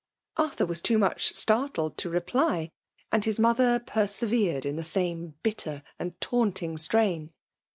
*'. J Atthnr wae too much startled to reply ; and his mother persevered in the same bitter and tauttling strtun.